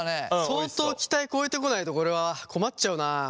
相当期待超えてこないとこれは困っちゃうな。